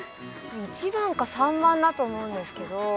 １番か３番だと思うんですけど。